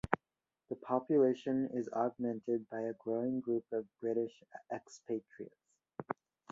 The population is augmented by a growing group of British expatriates.